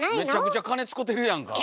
めちゃくちゃ金使うてるやんか。